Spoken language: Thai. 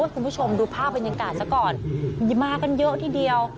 คุณผู้ชมดูภาพบรรยากาศซะก่อนมากันเยอะทีเดียว